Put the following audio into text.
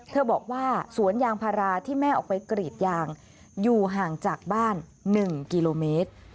บอกว่าสวนยางพาราที่แม่ออกไปกรีดยางอยู่ห่างจากบ้าน๑กิโลเมตร